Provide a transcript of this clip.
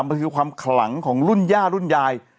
มันคือความขลังของรุ่นย่ารุ่นยาย